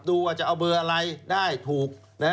ดูว่าจะเอาเบอร์อะไรได้ถูก